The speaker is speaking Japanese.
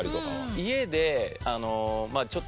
家で？